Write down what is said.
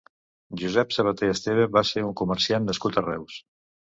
Josep Sabater Esteve va ser un comerciant nascut a Reus.